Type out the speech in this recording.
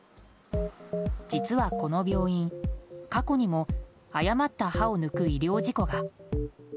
実は、この病院過去にも誤った歯を抜く医療事故が。